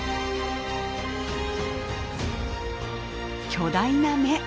巨大な目。